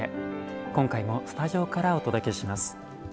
今回もスタジオからお届けします。